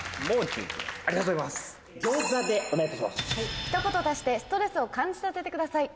「一言足してストレスを感じさせて下さい」。